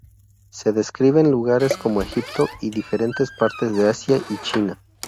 Se describen lugares como Egipto y diferentes partes de Asia y China.